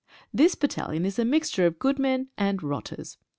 This Battalion is a mixture of good men and rotters.